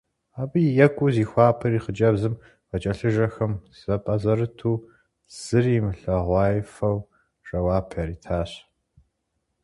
Абы екӀуу зихуапэри, хъыджэбзым къыкӀэлъыжэхэм зэпӀэзэрыту, зыри имылъэгъуаифэу жэуап яритащ.